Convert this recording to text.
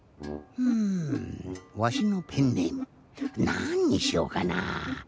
ふんわしのペンネームなんにしようかな。